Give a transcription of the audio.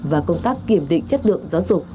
và công tác kiểm định chất lượng giáo dục